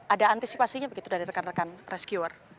ada antisipasinya begitu dari rekan rekan rescuer